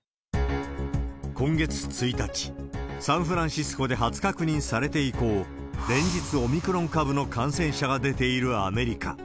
今月１日、サンフランシスコで初確認されて以降、連日オミクロン株の感染者が出ているアメリカ。